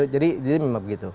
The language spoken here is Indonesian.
jadi memang begitu